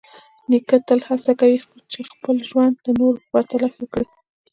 نیکه تل هڅه کوي چې خپل ژوند د نورو په پرتله ښه کړي.